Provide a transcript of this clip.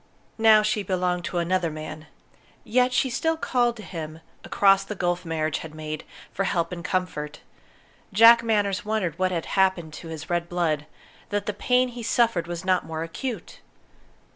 Now she belonged to another man. Yet she still called to him, across the gulf marriage had made, for help and comfort! Jack Manners wondered what had happened to his red blood, that the pain he suffered was not more acute.